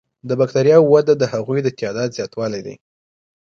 د بکټریاوو وده د هغوی د تعداد زیاتوالی دی.